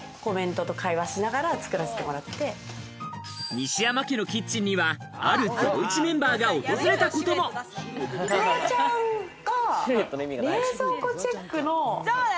西山家のキッチンにはある『ゼロイチ』メンバーが訪れたこともフワちゃんが。